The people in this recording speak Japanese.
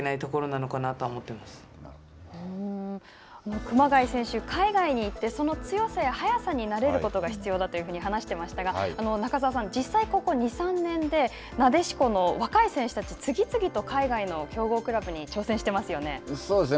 熊谷選手、海外に行って、その強さや速さに慣れることが必要だというふうに話してましたが、中澤さん、実際ここ２３年でなでしこの若い選手たち次々と海外の強豪クラブに挑戦していますよね。